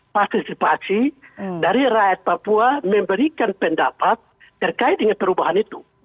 partisipasi dari rakyat papua memberikan pendapat terkait dengan perubahan itu